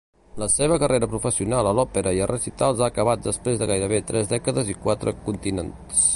La seva carrera professional a l'òpera i a recitals ha acabat després de gairebé tres dècades i quatre continents.